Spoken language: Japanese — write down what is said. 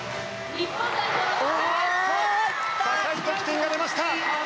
高い得点が出ました！